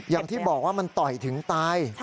อย่างที่บอกว่ามันต่อยถึงตาย